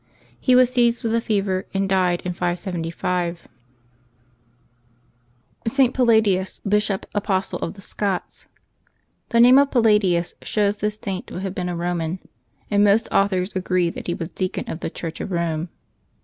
He was seized with a fever, and died in 575. 240 LIVES OF THE SAINTS [July 6 ST. PALLADIUS, Bishop, Apostle o£ the Scots, ^=nHE name of Palladms shows this Saint to have been a ^mJ Roman, and most authors agree that he was deacon of the Church of Eome.